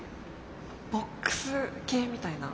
ボックス系みたいな。